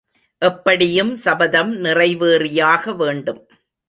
எப்படியும் சபதம் நிறைவேறியாக வேண்டும்.